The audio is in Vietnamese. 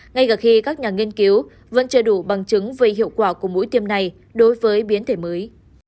ngay cả khi các nhà nghiên cứu vẫn chưa đủ bằng chứng về hiệu quả của mũi tiêm này đối với biến thể mới